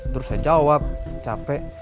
terus saya jawab capek